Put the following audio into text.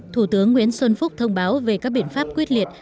thủ tướng nguyễn xuân phúc thông báo về các biện pháp quyết liệt